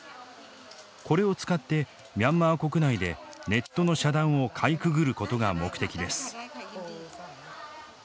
これを使ってミャンマー国内でネットの遮断をかいくぐることが目的です。